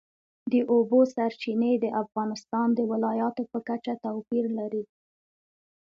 د اوبو سرچینې د افغانستان د ولایاتو په کچه توپیر لري.